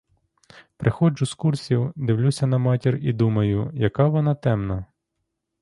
Приходжу з курсів, дивлюся на матір і думаю: яка вона темна?